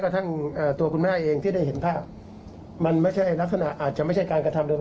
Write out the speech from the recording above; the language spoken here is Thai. ก็คือหลักใหญ่ใจความเลย